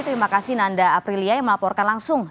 terima kasih nanda aprilia yang melaporkan langsung